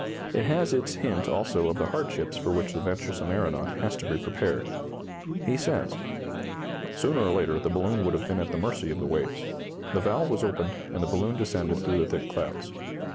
It has its hint also of the hardships for which the venturesome aeronaut has to be prepared. He says: "Sooner or later the balloon would have been at the mercy of the waves. The valve was opened, and the balloon descended through the thick clouds.